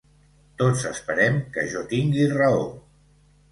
Tots esperem que jo tingui raó.